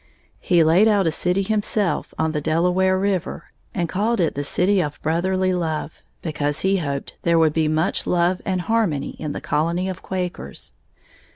He laid out a city himself on the Delaware River and called it the City of Brotherly Love, because he hoped there would be much love and harmony in the colony of Quakers.